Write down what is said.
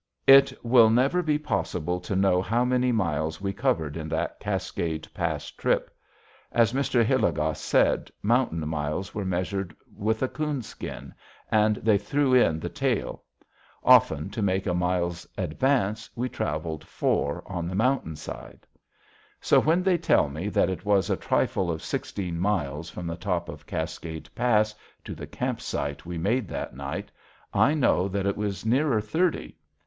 It will never be possible to know how many miles we covered in that Cascade Pass trip. As Mr. Hilligoss said, mountain miles were measured with a coonskin, and they threw in the tail. Often to make a mile's advance we traveled four on the mountain side. So when they tell me that it was a trifle of sixteen miles from the top of Cascade Pass to the camp site we made that night, I know that it was nearer thirty.